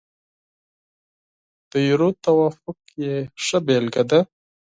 د یورو توافق یې ښه بېلګه ده.